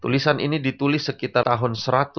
tulisan ini ditulis sekitar tahun satu ratus sepuluh